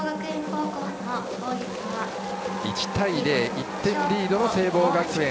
１対０と１点リードの聖望学園。